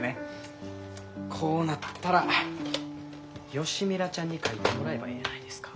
こうなったら吉ミラちゃんに書いてもらえばええやないですか。